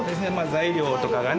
材料とかがね